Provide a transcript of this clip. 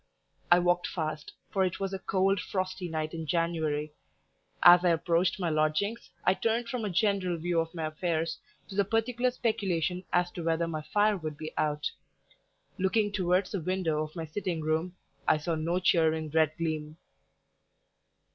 I walked fast, for it was a cold, frosty night in January; as I approached my lodgings, I turned from a general view of my affairs to the particular speculation as to whether my fire would be out; looking towards the window of my sitting room, I saw no cheering red gleam.